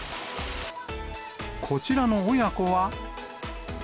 こちらの親子は。